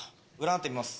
占ってみます。